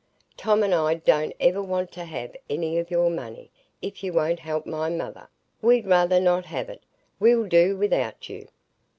Tom and I don't ever want to have any of your money, if you won't help my mother. We'd rather not have it! We'll do without you."